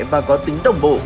và có tính đồng bộ